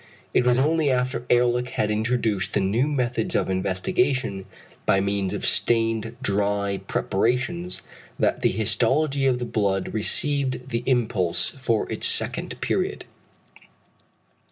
It was only after Ehrlich had introduced the new methods of investigation by means of stained dry preparations, that the histology of the blood received the impulse for its second period.